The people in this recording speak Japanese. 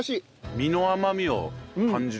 身の甘みを感じるね。